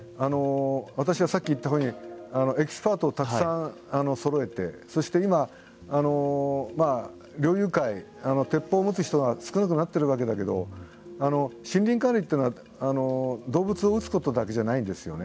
私はさっき言ったようにエキスパートをたくさんそろえてそして今猟友会鉄砲を持つ人が少なくなっているわけだけど森林管理というのは動物を撃つことだけじゃないですよね。